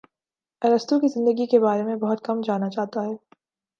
ارسطو کی زندگی کے بارے میں بہت کم جانا جاتا ہے